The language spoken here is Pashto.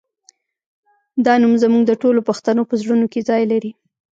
دا نوم زموږ د ټولو پښتنو په زړونو کې ځای لري